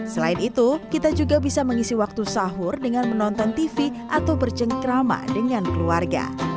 selain itu kita juga bisa mengisi waktu sahur dengan menonton tv atau bercengkrama dengan keluarga